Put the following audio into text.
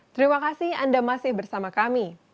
terima kasih anda masih bersama kami